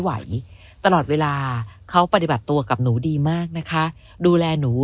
ไหวตลอดเวลาเขาปฏิบัติตัวกับหนูดีมากนะคะดูแลหนู